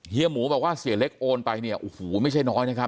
หมูบอกว่าเสียเล็กโอนไปเนี่ยโอ้โหไม่ใช่น้อยนะครับ